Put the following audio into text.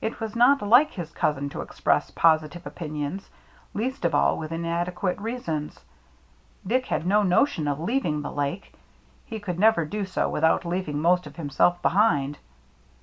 It was not like his cousin to express positive opinions, least of all with inadequate reasons. Dick had no notion of leaving the Lake ; he could never do so without leaving most of himself behind.